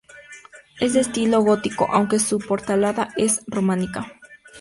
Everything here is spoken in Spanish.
Es de estilo gótico aunque su portalada es románica.